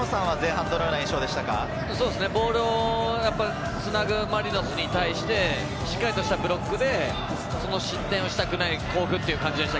ボールをつなぐマリノスに対して、しっかりとしたブロックで、失点をしたくない甲府という感じでした。